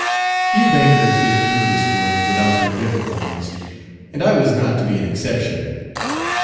Few bankers get through this world without their difficulties, and I was not to be an exception.